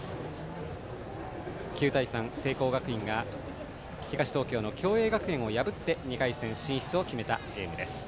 ９対３、聖光学院が東東京の共栄学園を破って２回戦進出を決めたゲームです。